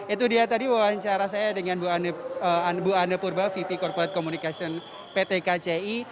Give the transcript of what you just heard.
itu dia tadi wawancara saya dengan bu anne purba vp corporate communication pt kci